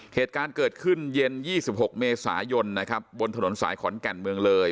เหตุการณ์เกิดขึ้นเย็น๒๖เมษายนนะครับบนถนนสายขอนแก่นเมืองเลย